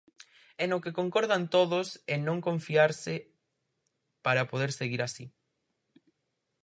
E no que concordan todos, en non confiarse para poder seguir así.